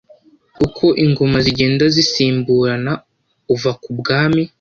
uko ingoma zigenda zisimburana, uva ku bwami